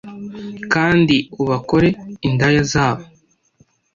kandi ubakore indaya zabo